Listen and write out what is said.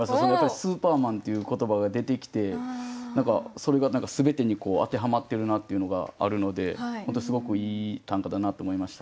スーパーマンっていう言葉が出てきてそれが全てに当てはまってるなっていうのがあるので本当にすごくいい短歌だなと思いました。